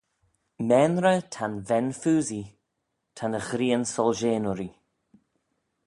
Maynrey ta'n ven-phoosee ta'n ghrian solshean urree.